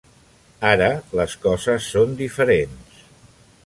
Ara les coses són diferents.